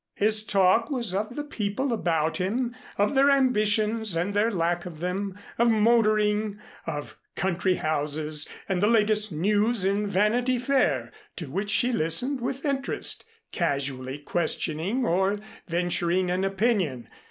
His talk was of the people about them, of their ambitions and their lack of them, of motoring, of country houses and the latest news in Vanity Fair, to which she listened with interest, casually questioning or venturing an opinion.